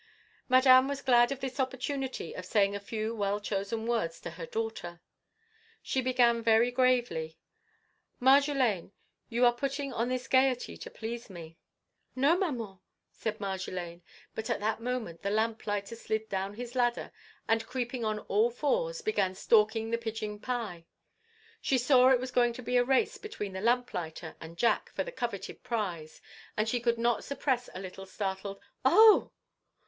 Madame was glad of this opportunity of saying a few well chosen words to her daughter. She began very gravely:—"Marjolaine, you are putting on this gaiety to please me—" "No, Maman," said Marjolaine; but at that moment the lamplighter slid down his ladder, and, creeping on all fours, began stalking the pigeon pie. She saw it was going to be a race between the lamplighter and Jack for the coveted prize, and she could not suppress a little startled "Oh!"